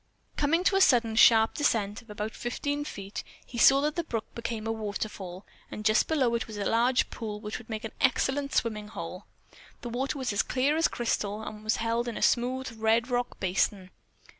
Coming to a sudden sharp descent of about fifteen feet, he saw that the brook became a waterfall and just below it was a large pool which would make an excellent swimming hole. The water was as clear as crystal and was held in a smooth, red rock basin.